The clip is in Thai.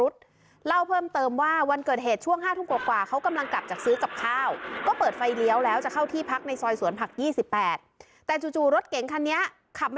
สรรค์ส่วนผัก๒๘แต่จู่รถเก่งคันนี้ขับมา